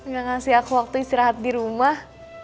gak ngasih aku waktu istirahat di rumah